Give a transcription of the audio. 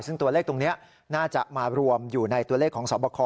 ซึ่งตัวเลขตรงนี้น่าจะมารวมอยู่ในตัวเลขของสอบคอ